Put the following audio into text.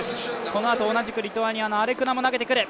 このあと同じくリトアニアの選手も投げてくる。